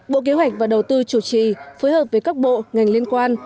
bộ kế hoạch và đầu tư chủ trì phối hợp với các bộ ngành liên quan